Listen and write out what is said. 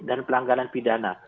dan pelanggaran pidana